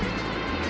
jangan makan aku